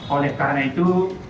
oleh karena itu